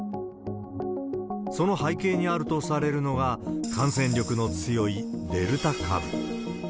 その背景にあるとされるのが、感染力の強いデルタ株。